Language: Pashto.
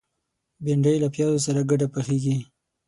بېنډۍ له پیازو سره ګډه پخېږي